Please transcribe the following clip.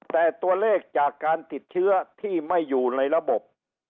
แต่ตัวเลขจากการติดเชื้อที่ไม่อยู่ในระบบ